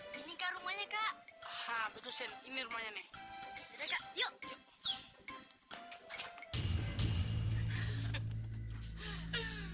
nah ini kah rumahnya kak aha betul sen ini rumahnya nih ya udah kak yuk